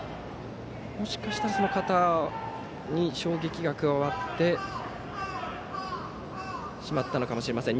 もしかしたら肩に衝撃が加わってしまったのかもしれません。